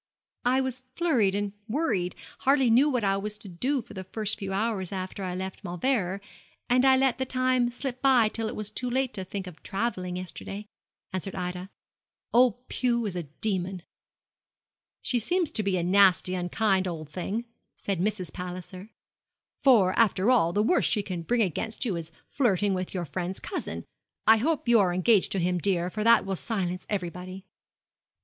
'I was flurried and worried hardly knew what I was doing for the first few hours after I left Mauleverer; and I let the time slip by till it was too late to think of travelling yesterday,' answered Ida. 'Old Pew is a demon.' 'She seems to be a nasty, unkind old thing,' said Mrs. Palliser; 'for, after all, the worst she can bring against you is flirting with your friend's cousin. I hope you are engaged to him, dear; for that will silence everybody.'